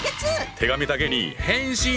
手紙だけに「返信」！